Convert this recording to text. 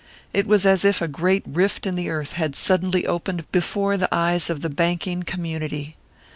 It was as if a great rift in the earth had suddenly opened before the eyes of the banking community.